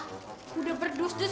hah udah berdus dus